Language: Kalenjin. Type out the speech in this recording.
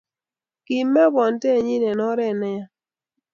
kimee bontenyi eng oree ne ya